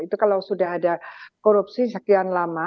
itu kalau sudah ada korupsi sekian lama